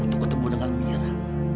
untuk ketemu dengan mira